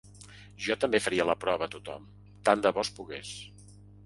Jo també faria la prova a tothom, tant de bo es pogués.